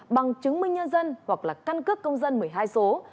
bằng chứng minh nhân dân hoặc là căn cước công dân một mươi hai số